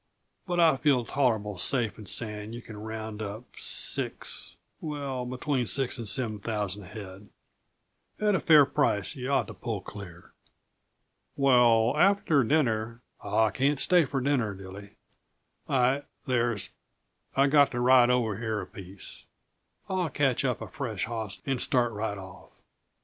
But I feel tolerable safe in saying you can round up six well, between six and seven thousand head. At a fair price yuh ought to pull clear." "Well, after dinner " "I can't stay for dinner, Dilly. I there's I've got to ride over here a piece I'll catch up a fresh hoss and start right off.